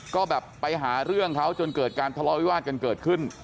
ก็แบบไปหาเรื่องเขาจนเกิดการทะเลาวิวาสกันเกิดขึ้น